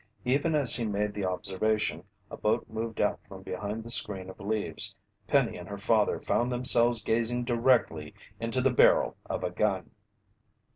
Even as he made the observation, a boat moved out from behind the screen of leaves. Penny and her father found themselves gazing directly into the barrel of a gun.